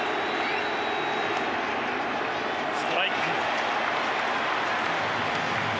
ストライク。